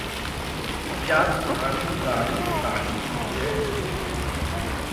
क्या तुम्हारी गाड़ी काली है?